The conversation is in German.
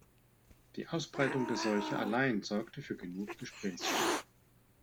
Die Ausbreitung der Seuche allein sorgte für genug Gesprächsstoff.